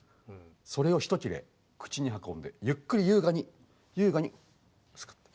それをひと切れ口に運んでゆっくり優雅に優雅にスクッと。